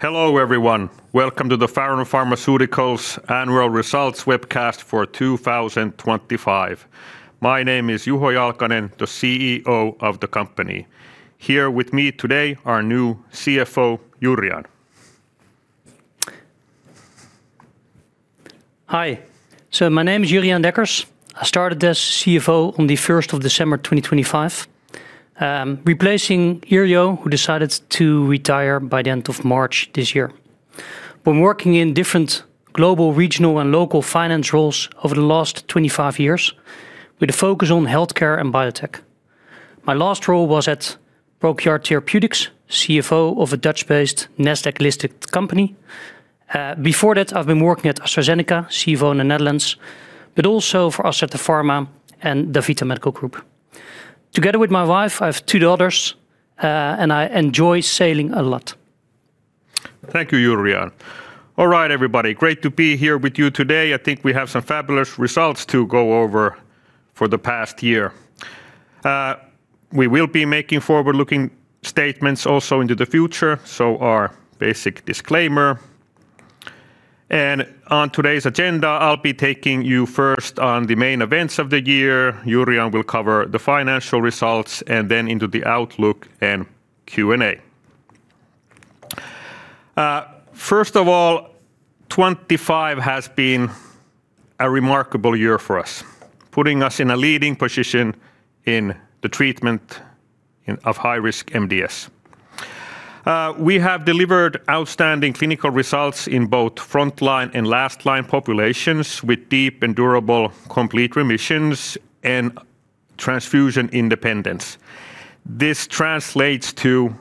Hello, everyone. Welcome to the Faron Pharmaceuticals Annual Results Webcast for 2025. My name is Juho Jalkanen, the CEO of the company. Here with me today, our new CFO, Jurriaan. Hi. My name is Jurriaan Dekkers. I started as CFO on the 1st of December 2025, replacing Yrjo, who decided to retire by the end of March this year. I've been working in different global, regional, and local finance roles over the last 25 years with a focus on healthcare and biotech. My last role was at ProQR Therapeutics, CFO of a Dutch-based Nasdaq-listed company. Before that, I've been working at AstraZeneca, CFO in the Netherlands, but also for Ascletis Pharma and DaVita Medical Group. Together with my wife, I have 2 daughters, and I enjoy sailing a lot. Thank you, Jurriaan. All right, everybody. Great to be here with you today. I think we have some fabulous results to go over for the past year. We will be making forward-looking statements also into the future, so our basic disclaimer. On today's agenda, I'll be taking you first on the main events of the year. Jurriaan will cover the financial results and then into the outlook and Q&A. First of all, 25 has been a remarkable year for us, putting us in a leading position in the treatment of high-risk MDS. We have delivered outstanding clinical results in both frontline and last line populations with deep and durable complete remissions and transfusion independence. This translates to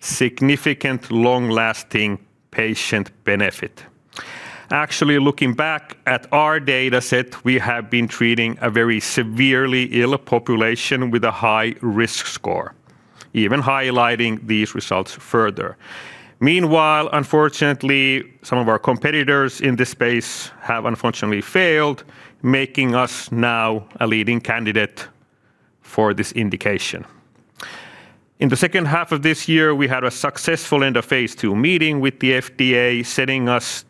significant long-lasting patient benefit. Actually, looking back at our data set, we have been treating a very severely ill population with a high risk score, even highlighting these results further. Unfortunately, some of our competitors in this space have unfortunately failed, making us now a leading candidate for this indication. In the H2 of this year, we had a successful end of phase 2 meeting with the FDA, setting us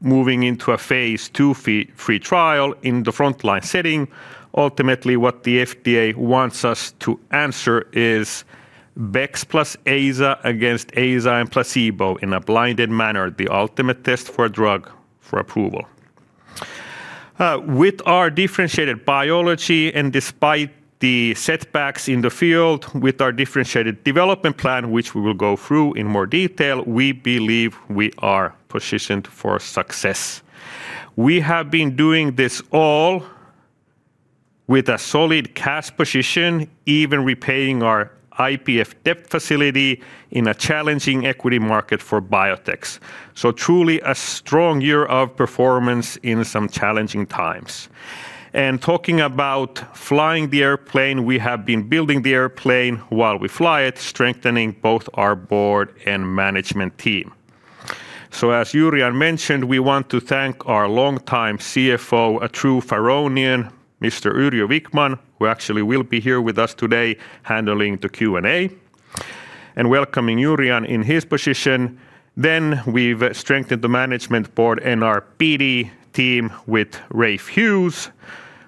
moving into a phase 2 free trial in the frontline setting. Ultimately, what the FDA wants us to answer is bex plus AZA against AZA and placebo in a blinded manner, the ultimate test for a drug for approval. With our differentiated biology and despite the setbacks in the field with our differentiated development plan, which we will go through in more detail, we believe we are positioned for success. Truly a strong year of performance in some challenging times. Talking about flying the airplane, we have been building the airplane while we fly it, strengthening both our board and management team. As Jurriaan mentioned, we want to thank our longtime CFO, a true Faronian, Mr. Yrjo Vikman, who actually will be here with us today handling the Q&A and welcoming Jurriaan in his position. We've strengthened the management board and our PD team with Ray Hughes,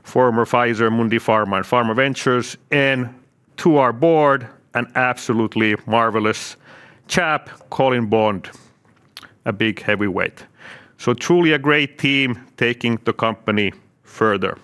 former Pfizer, Mundipharma, and PharmaVentures, and to our board, an absolutely marvelous chap, Colin Bond, a big heavyweight. Truly a great team taking the company further.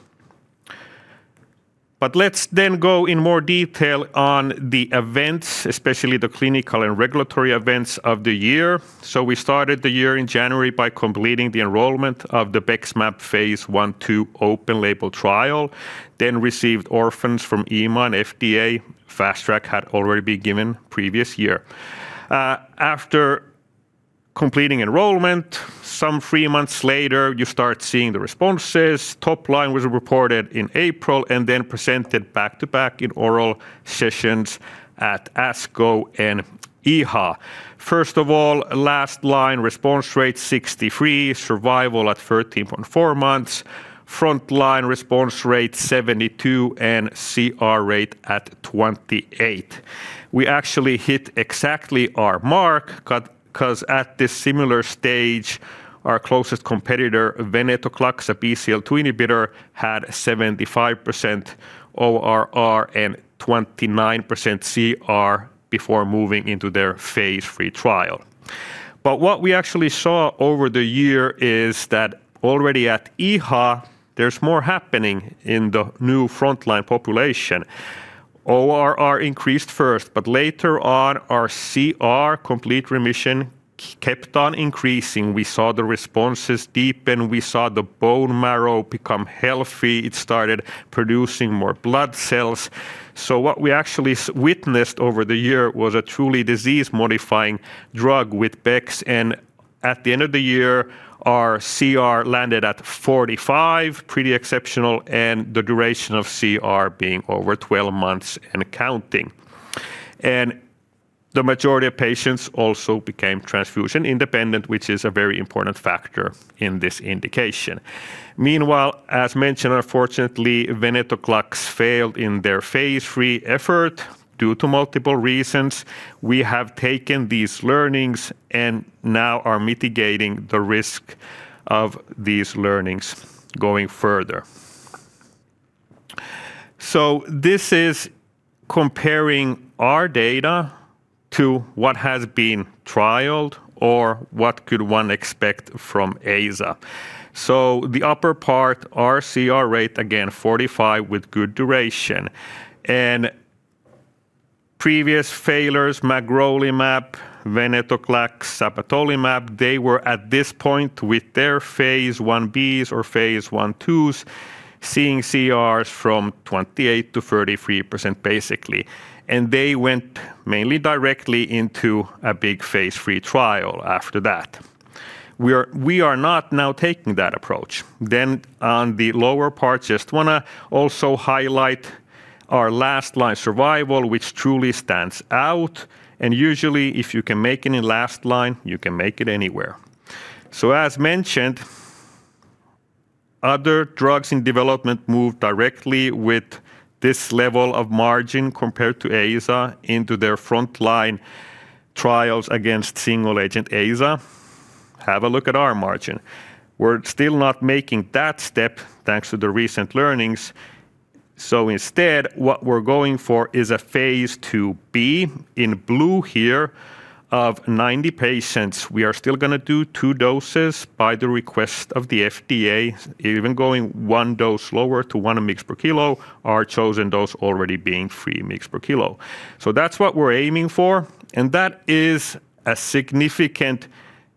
Let's go in more detail on the events, especially the clinical and regulatory events of the year. We started the year in January by completing the enrollment of the BEXMAB phase I/II open label trial, then received orphans from EMA and FDA. Fast Track had already been given previous year. After completing enrollment, some 3 months later, you start seeing the responses. Top line was reported in April and then presented back-to-back in oral sessions at ASCO and EHA. First of all, last line response rate 63%, survival at 13.4 months. Front line response rate 72%, and CR rate at 28%. We actually hit exactly our mark because at this similar stage, our closest competitor, venetoclax, a BCL-2 inhibitor, had 75% ORR and 29% CR before moving into their phase III trial. What we actually saw over the year is that already at EHA, there's more happening in the new frontline population. ORR increased first, but later on, our CR, complete remission, kept on increasing. We saw the responses deepen. We saw the bone marrow become healthy. It started producing more blood cells. What we actually witnessed over the year was a truly disease-modifying drug with bex, and at the end of the year, our CR landed at 45, pretty exceptional, and the duration of CR being over 12 months and counting. The majority of patients also became transfusion-independent, which is a very important factor in this indication. Meanwhile, as mentioned, unfortunately, venetoclax failed in their phase III effort. Due to multiple reasons, we have taken these learnings and now are mitigating the risk of these learnings going further. This is comparing our data to what has been trialed or what could one expect from AZA. The upper part, our CR rate, again, 45 with good duration. Previous failures, magrolimab, venetoclax, sabatolimab, they were at this point with their phase 1Bs or phase 1,2s seeing CRs from 28%-33% basically. They went mainly directly into a big phase III trial after that. We are not now taking that approach. On the lower part, just wanna also highlight our last line survival, which truly stands out. Usually if you can make it in last line, you can make it anywhere. As mentioned, other drugs in development move directly with this level of margin compared to AZA into their frontline trials against single-agent AZA. Have a look at our margin. We're still not making that step thanks to the recent learnings. Instead, what we're going for is a phase 2b in blue here of 90 patients. We are still going to do 2 doses by the request of the FDA, even going 1 dose lower to 1 mg per kilo, our chosen dose already being 3 mgs per kilo. That's what we're aiming for, and that is a significant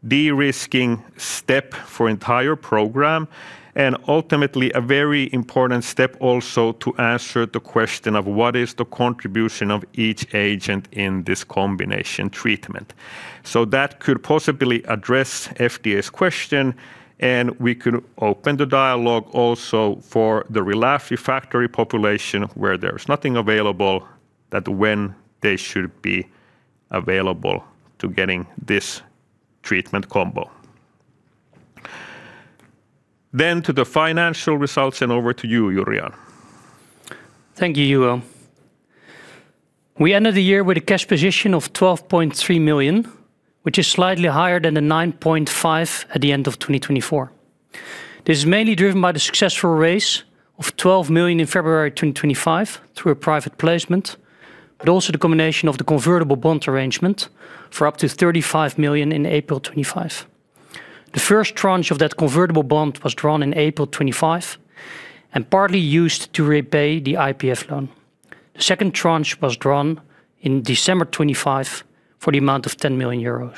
de-risking step for entire program, and ultimately a very important step also to answer the question of what is the contribution of each agent in this combination treatment. That could possibly address FDA's question, and we could open the dialogue also for the relapsed/refractory population where there's nothing available that when they should be available to getting this treatment combo. To the financial results, and over to you, Jurriaan. Thank you, Juho. We ended the year with a cash position of 12.3 million, which is slightly higher than the 9.5 million at the end of 2024. This is mainly driven by the successful raise of 12 million in February 2025 through a private placement, but also the combination of the convertible bond arrangement for up to 35 million in April 2025. The first tranche of that convertible bond was drawn in April 2025 and partly used to repay the IPF loan. The second tranche was drawn in December 2025 for the amount of 10 million euros.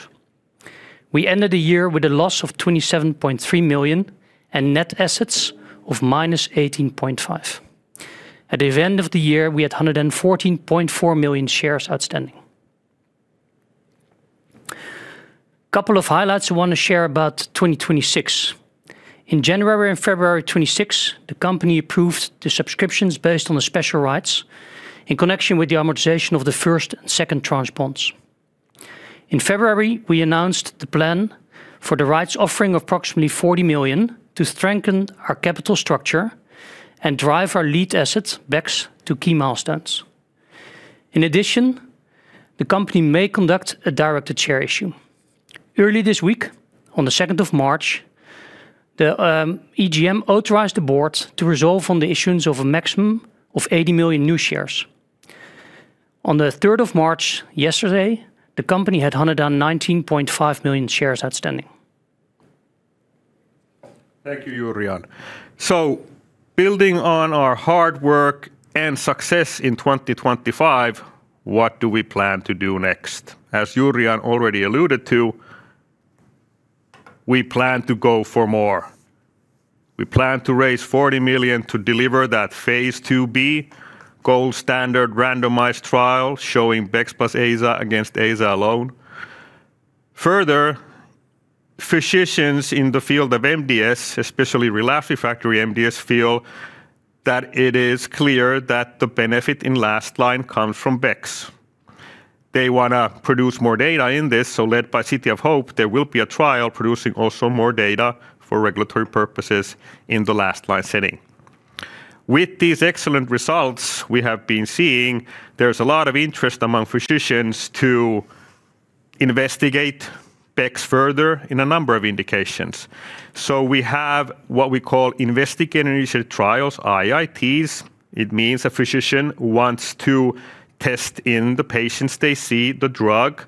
We ended the year with a loss of 27.3 million and net assets of minus 18.5 million. At the end of the year, we had 114.4 million shares outstanding. Couple of highlights I wanna share about 2026. In January and February 2026, the company approved the subscriptions based on the special rights in connection with the amortization of the first and second tranche bonds. In February, we announced the plan for the rights offering approximately 40 million to strengthen our capital structure and drive our lead assets bex to key milestones. In addition, the company may conduct a directed share issue. Early this week, on the 2nd of March, the EGM authorized the board to resolve on the issuance of a maximum of 80 million new shares. On the 3rd of March, yesterday, the company had 119.5 million shares outstanding. Thank you, Jurriaan. Building on our hard work and success in 2025, what do we plan to do next? As Jurriaan already alluded to, we plan to go for more. We plan to raise 40 million to deliver that phase 2b gold standard randomized trial showing bex plus AZA against AZA alone. Further, physicians in the field of MDS, especially relapsed/refractory MDS, feel that it is clear that the benefit in last line comes from bex. They want to produce more data in this. Led by City of Hope, there will be a trial producing also more data for regulatory purposes in the last line setting. With these excellent results we have been seeing, there's a lot of interest among physicians to investigate bex further in a number of indications. We have what we call investigator-initiated trials, IITs. It means a physician wants to test in the patients they see the drug.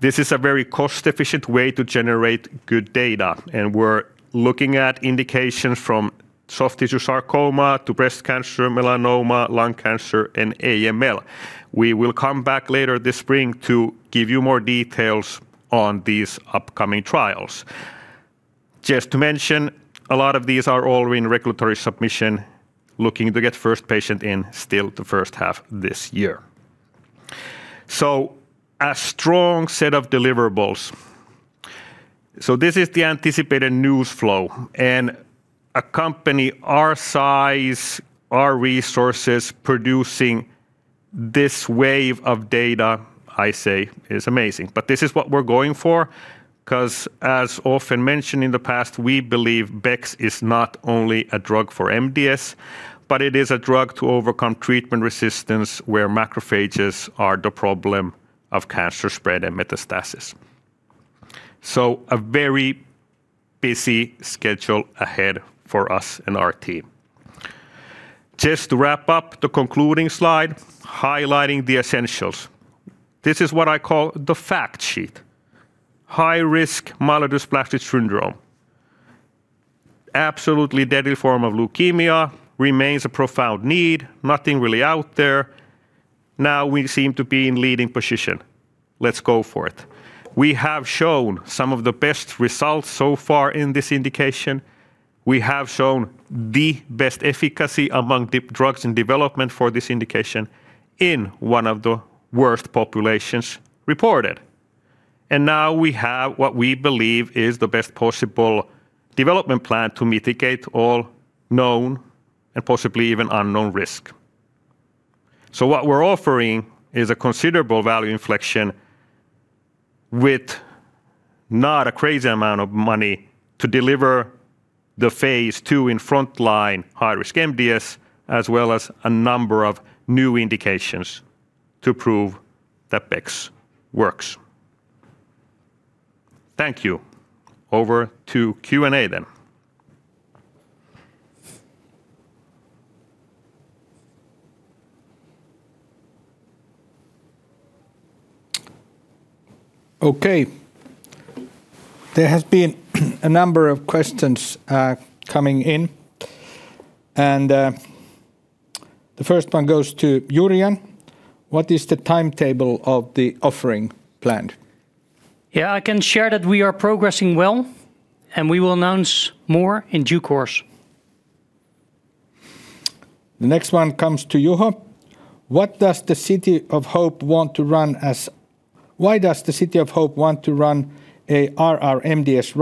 This is a very cost-efficient way to generate good data. We're looking at indications from soft tissue sarcoma to breast cancer, melanoma, lung cancer, and AML. We will come back later this spring to give you more details on these upcoming trials. Just to mention, a lot of these are already in regulatory submission, looking to get first patient in still the H1 this year. A strong set of deliverables. This is the anticipated news flow, and a company our size, our resources producing this wave of data I say is amazing. This is what we're going for. Cause as often mentioned in the past, we believe bex is not only a drug for MDS, but it is a drug to overcome treatment resistance where macrophages are the problem of cancer spread and metastasis. A very busy schedule ahead for us and our team. Just to wrap up the concluding slide highlighting the essentials. This is what I call the fact sheet. High risk myelodysplastic syndrome. Absolutely deadly form of leukemia, remains a profound need, nothing really out there. Now we seem to be in leading position. Let's go for it. We have shown some of the best results so far in this indication. We have shown the best efficacy among drugs in development for this indication in one of the worst populations reported. Now we have what we believe is the best possible development plan to mitigate all known and possibly even unknown risk. What we're offering is a considerable value inflection with not a crazy amount of money to deliver the phase 2 in frontline high-risk MDS as well as a number of new indications to prove that bex works. Thank you. Over to Q&A then. Okay. There has been a number of questions, coming in. The first one goes to Jurriaan. What is the timetable of the offering plan? Yeah, I can share that we are progressing well. We will announce more in due course. The next one comes to Juho. Why does the City of Hope want to run a RR-MDS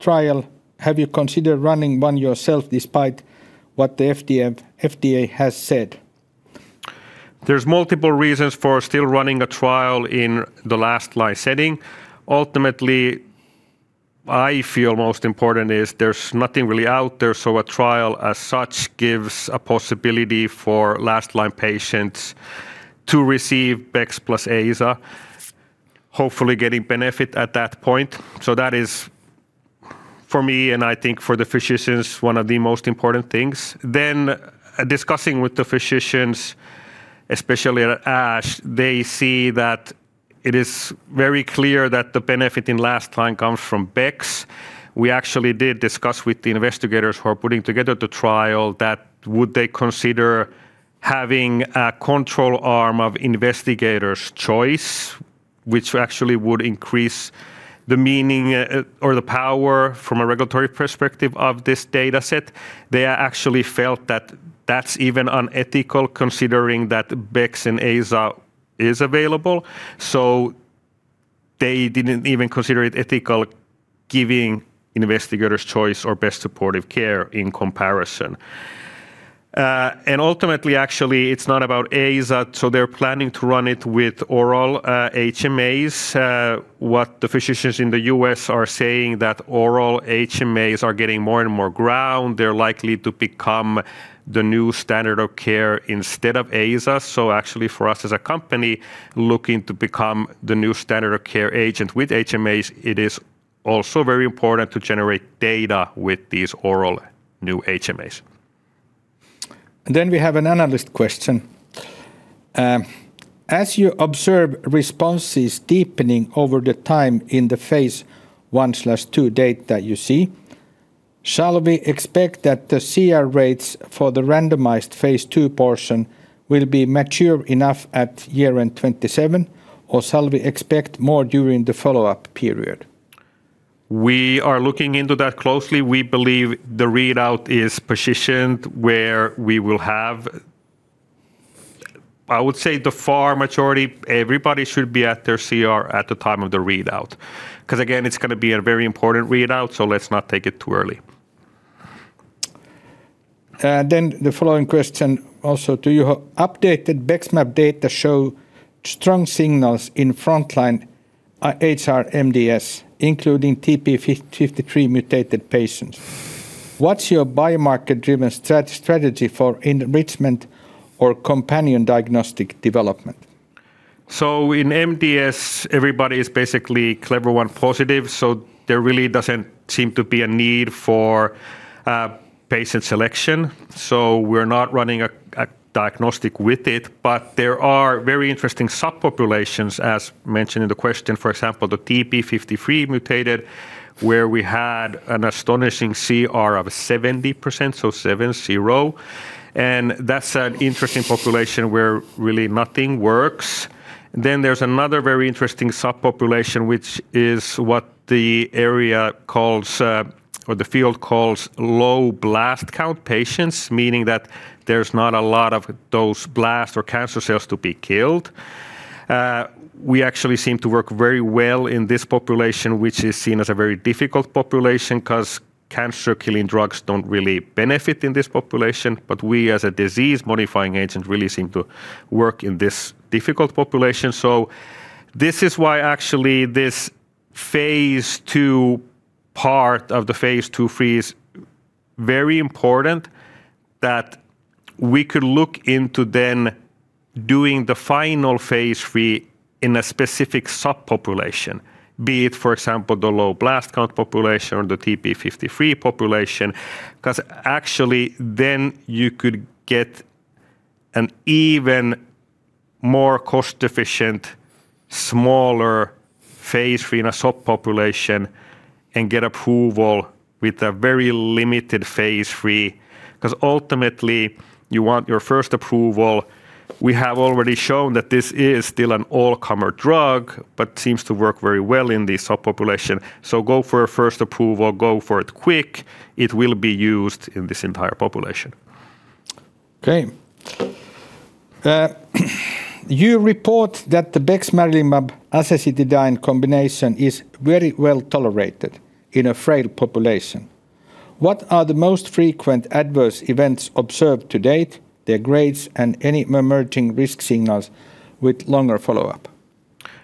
trial? Have you considered running one yourself despite what the FDA has said? There's multiple reasons for still running a trial in the last line setting. Ultimately, I feel most important is there's nothing really out there, so a trial as such gives a possibility for last line patients to receive bex plus AZA, hopefully getting benefit at that point. That is, for me and I think for the physicians, one of the most important things. Discussing with the physicians, especially at ASH, they see that it is very clear that the benefit in last line comes from bex. We actually did discuss with the investigators who are putting together the trial that would they consider having a control arm of investigator's choice, which actually would increase the meaning or the power from a regulatory perspective of this data set. They actually felt that that's even unethical considering that bex and AZA is available. They didn't even consider it ethical giving investigator's choice or best supportive care in comparison. Ultimately, actually, it's not about AZA, they're planning to run it with oral HMAs. What the physicians in the U.S. are saying that oral HMAs are getting more and more ground. They're likely to become the new standard of care instead of AZAs. Actually for us as a company looking to become the new standard of care agent with HMAs, it is also very important to generate data with these oral new HMAs. We have an analyst question. As you observe responses deepening over the time in the phase 1/2 data you see, shall we expect that the CR rates for the randomized phase 2 portion will be mature enough at year-end 2027, or shall we expect more during the follow-up period? We are looking into that closely. We believe the readout is positioned where we will have, I would say the far majority, everybody should be at their CR at the time of the readout. 'Cause again, it's gonna be a very important readout, so let's not take it too early. The following question also to Juho. Updated BEXMAB data show strong signals in frontline, HR-MDS, including TP53 mutated patients. What's your biomarker-driven strategy for enrichment or companion diagnostic development? In MDS, everybody is basically CEBPA 1 positive, there really doesn't seem to be a need for patient selection. We're not running a diagnostic with it. There are very interesting subpopulations, as mentioned in the question, for example, the TP53 mutated, where we had an astonishing CR of 70%, so 70, and that's an interesting population where really nothing works. There's another very interesting subpopulation, which is what the area calls or the field calls low blast count patients, meaning that there's not a lot of those blast or cancer cells to be killed. We actually seem to work very well in this population, which is seen as a very difficult population 'cause cancer-killing drugs don't really benefit in this population. We as a disease-modifying agent really seem to work in this difficult population. This is why actually this phase II part of the phase II/III, very important that we could look into then doing the final phase III in a specific subpopulation, be it, for example, the low blast count population or the TP53 population 'cause actually then you could get an even more cost-efficient, smaller phase III in a subpopulation and get approval with a very limited phase III 'cause ultimately you want your first approval. We have already shown that this is still an all-comer drug but seems to work very well in this subpopulation. Go for a first approval. Go for it quick. It will be used in this entire population. Okay. You report that the combination is very well-tolerated in a frail population. What are the most frequent adverse events observed to date, their grades, and any emerging risk signals with longer follow-up?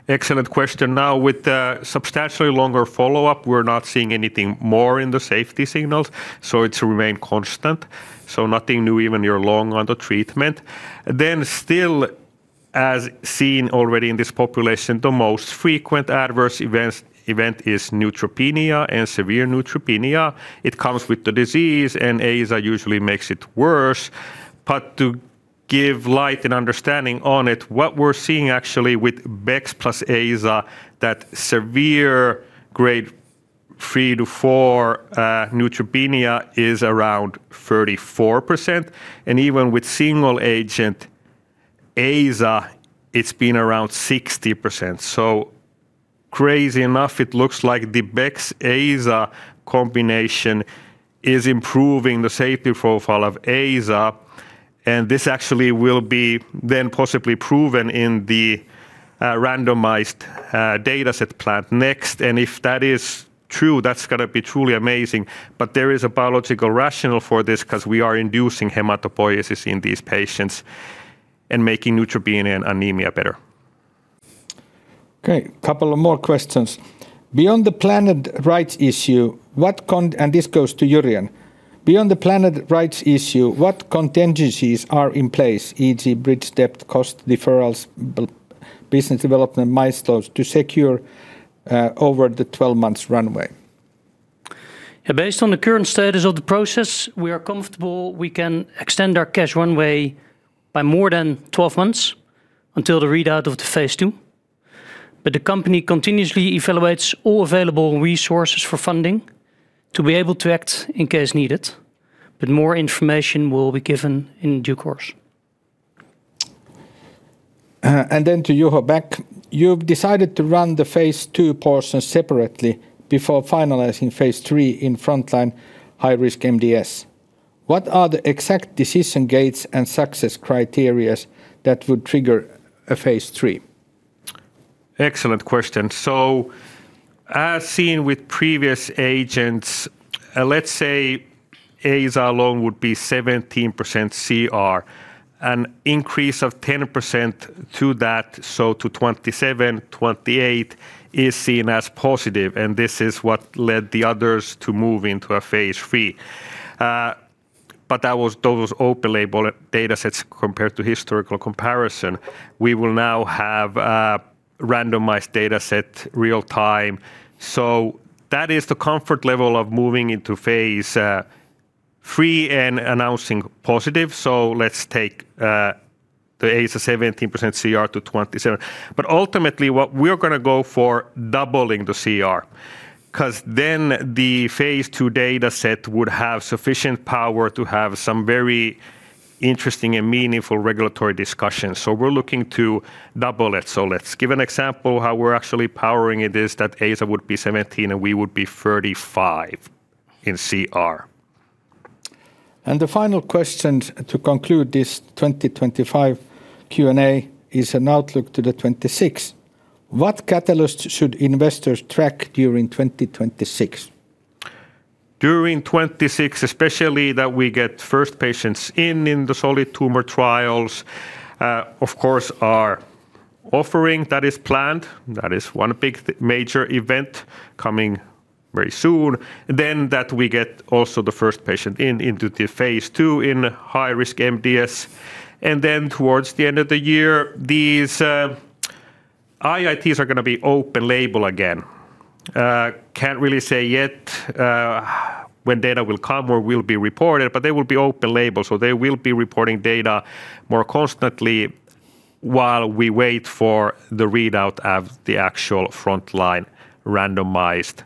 Excellent question. Now with the substantially longer follow-up, we're not seeing anything more in the safety signals, so it's remained constant, so nothing new even you're long onto treatment. Still, as seen already in this population, the most frequent adverse events, event is neutropenia and severe neutropenia. It comes with the disease, and AZA usually makes it worse. To give light and understanding on it, what we're seeing actually with bex plus AZA, that severe grade 3-4 neutropenia is around 34%, and even with single agent AZA, it's been around 60%. Crazy enough, it looks like the bex-AZA combination is improving the safety profile of AZA, and this actually will be then possibly proven in the randomized data set planned next. If that is true, that's gonna be truly amazing, but there is a biological rationale for this 'cause we are inducing hematopoiesis in these patients and making neutropenia and anemia better. Okay. Couple of more questions. Beyond the planned rights issue, what contingencies are in place, e.g., bridge debt, cost deferrals, business development milestones to secure, over the 12 months runway? Based on the current status of the process, we are comfortable we can extend our cash runway by more than 12 months until the readout of the phase II. The company continuously evaluates all available resources for funding to be able to act in case needed. More information will be given in due course. To Juho back. You've decided to run the phase II portion separately before finalizing phase III in frontline high-risk MDS. What are the exact decision gates and success criteria that would trigger a phase III? Excellent question. As seen with previous agents, let's say AZA alone would be 17% CR, an increase of 10% to that, so to 27, 28 is seen as positive, this is what led the others to move into a phase III. Those open label data sets compared to historical comparison. We will now have a randomized data set real time. That is the comfort level of moving into phase III and announcing positive, let's take the AZA 17% CR to 27. Ultimately what we're gonna go for doubling the CR 'cause then the phase II data set would have sufficient power to have some very interesting and meaningful regulatory discussions, so we're looking to double it. Let's give an example how we're actually powering it is that AZA would be 17%, and we would be 35% in CR. The final question to conclude this 2025 Q&A is an outlook to the 2026. What catalyst should investors track during 2026? During 2026, especially that we get first patients in the solid tumor trials. Of course, our offering that is planned, that is one big major event coming very soon. That we get also the first patient into the phase II in high-risk MDS. Towards the end of the year, these IITs are gonna be open label again. Can't really say yet when data will come or will be reported, but they will be open label, so they will be reporting data more constantly while we wait for the readout of the actual frontline randomized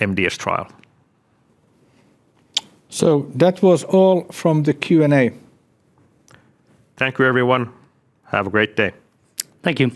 MDS trial. That was all from the Q&A. Thank you, everyone. Have a great day. Thank you.